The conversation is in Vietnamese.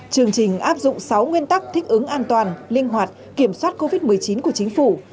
chương trình áp dụng sáu nguyên tắc thích ứng an toàn linh hoạt kiểm soát covid một mươi chín của chính phủ